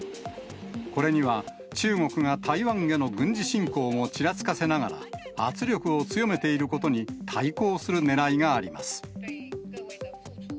これには中国が台湾への軍事侵攻をちらつかせながら、圧力を強めていることに対抗するねらいがあります。